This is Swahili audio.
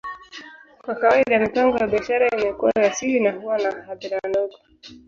Kwa kawaida, mipango ya biashara imekuwa ya siri na huwa na hadhira ndogo.